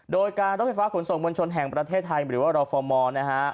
โดยการรถไฟฟ้าขนส่งมวลชนแห่งประเทศไทยหรือว่ารฟมนะฮะ